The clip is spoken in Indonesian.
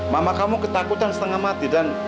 mama kamu ketakutan setengah mati dan